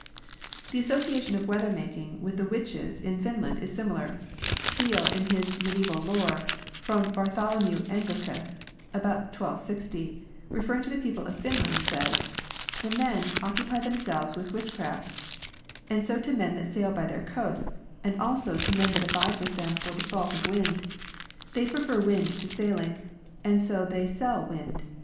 The association of weather making with the witches in Fin land is familiar. Steele, in his " Medieval Lore," from Bartholo mew Anglicus (about 1260), referring to the people in Finland, says: The men occupy themselves with witchcraft, and so to men that sail by their coasts, and also to men that abide with them for default of wind; they prefer wind to sailing, and so they sell wind.